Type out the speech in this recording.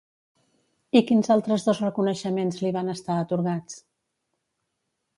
I quins altres dos reconeixements li van estar atorgats?